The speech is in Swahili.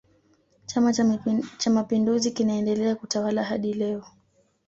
chama cha mapinduzi kinaendelea kutawala hadi leo